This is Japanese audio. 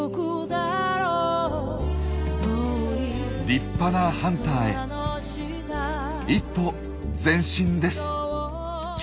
立派なハンターへ一歩前進です。